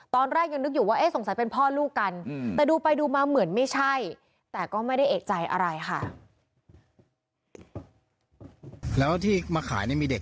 ตอนแรกยังนึกอยู่ว่าสงสัยเป็นพ่อลูกกันแต่ดูไปดูมาเหมือนไม่ใช่แต่ก็ไม่ได้เอกใจอะไรค่ะ